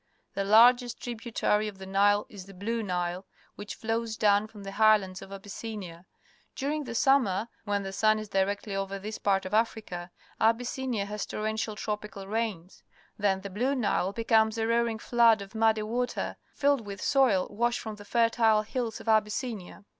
The largest tributary of the Nile is the Blue Nile , which flows dowm from the highlands of Abyssinia. During the summer, when the sun is directly over this part of Africa, Abj'ssinia has torrential tropi cal rains. Then the Blue Nile becomes a roaring flood of muddy water, filled with soil washed from the fertile hills of Abyssinia.